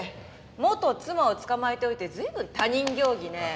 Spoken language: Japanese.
元妻をつかまえておいて随分他人行儀ね！